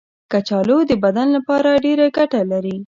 کچالو د بدن لپاره ډېره ګټه لري.